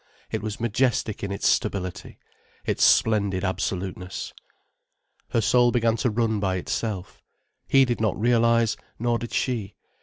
It was majestic in its stability, its splendid absoluteness. Her soul began to run by itself. He did not realize, nor did she.